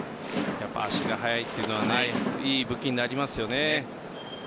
足が速いっていうのはいい武器になりますよね。